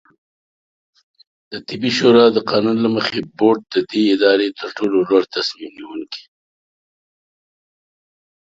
دطبي شورا د قانون له مخې، بورډ د دې ادارې ترټولو لوړتصمیم نیونکې